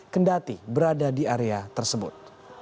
kendati berada di area tersebut